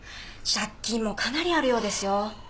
借金もかなりあるようですよ。